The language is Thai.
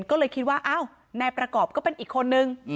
ก็เลยคิดว่าอ้าวนายประกอบก็เป็นอีกคนนึง